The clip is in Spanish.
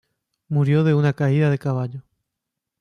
Murió de una caída de caballo.